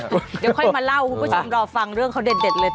เดี๋ยวค่อยมาเล่าให้คุณผู้ชมรอฟังเรื่องเขาเด็ดเลย